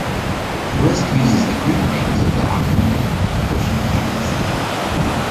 This list uses the Greek names of the Achaemenid Persian kings.